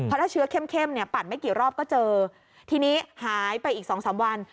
ถ้าเชื้อเข้มเนี่ยปั่นไม่กี่รอบก็เจอทีนี้หายไปอีกสองสามวัน